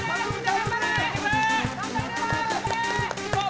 頑張れ！